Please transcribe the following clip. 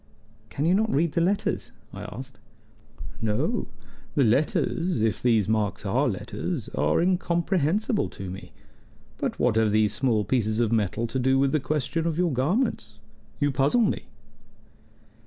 "Can you not read the letters?" I asked. "No. The letters if these marks are letters are incomprehensible to me. But what have these small pieces of metal to do with the question of your garments? You puzzle me."